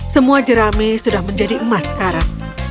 semua jerami sudah menjadi emas sekarang